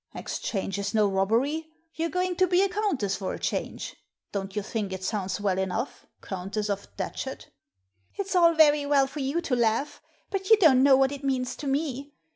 '* "Exchange is no robbery — you're going to be a countess for a change. Don't you think it sounds well enough — Countess of Datchet ?"" It's all very well for you to laugh, but you don't know what it means to me.